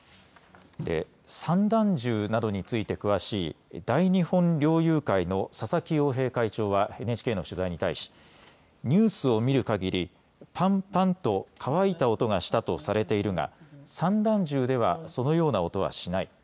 散弾銃などについて詳しい大日本猟友会の佐々木洋平会長はＮＨＫの取材に対しニュースを見るかぎりパンパンと乾いた音がしたとされているが散弾銃ではそのような音はしない。